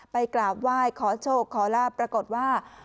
กราบไหว้ขอโชคขอลาบปรากฏว่า